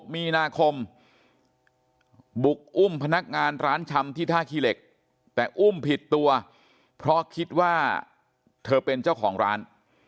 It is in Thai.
มีนาคมบุกอุ้มพนักงานร้านชำที่ท่าขี้เหล็กแต่อุ้มผิดตัวเพราะคิดว่าเธอเป็นเจ้าของร้าน